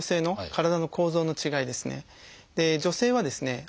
女性はですね